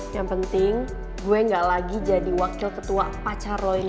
yang penting gue gak lagi jadi wakil ketua pacar lo ini